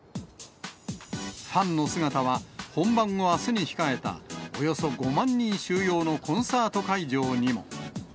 ファンの姿は、本番をあすに控えた、およそ５万人収容のコンサート会場にも。